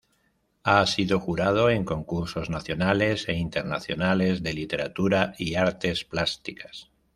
Ha sido jurado en concursos nacionales e internacionales de Literatura y Artes Plásticas.